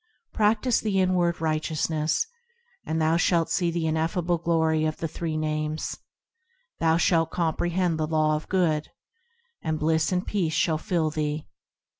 Practise the inward Righteousness, And thou shalt see the ineffable glory of the three Names; Thou shalt comprehend the Law of Good, And bliss and peace shall fill thee.